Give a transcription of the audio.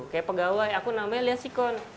kayak pegawai aku nambahnya liat sikon